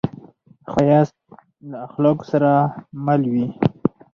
ښایست له اخلاقو سره مل وي